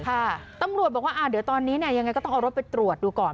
ตำรวจบอกว่าอ่าเดี๋ยวตอนนี้เนี่ยยังไงก็ต้องเอารถไปตรวจดูก่อน